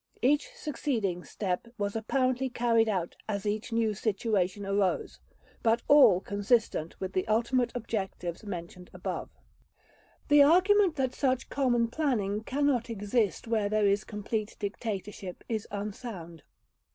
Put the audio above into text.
Each succeeding step was apparently carried out as each new situation arose, but all consistent with the ultimate objectives mentioned above." The argument that such common planning cannot exist where there is complete dictatorship is unsound.